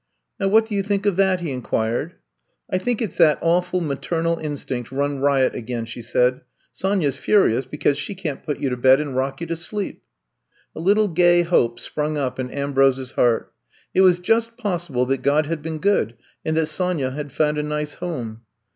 '' Now what do yon think of that?" he inquired. I think it 's that awful maternal in stinct run riot again, '' she said. *^ Sonya 's furious because she can't put you to bed and rock you to sleep. '' A little gay hope sprung up in Ambrose 's heart. It was just possible that God had been good and that Sonya had found a nice home.